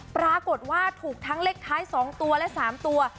ปรากฏว่าถูกทั้งเลขท้าย๒ตัวและ๓ตัว